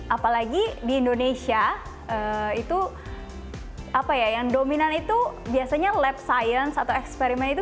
apalagi di indonesia itu apa ya yang dominan itu biasanya lab science atau eksperimen itu